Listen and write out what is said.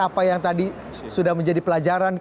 apa yang tadi sudah menjadi pelajaran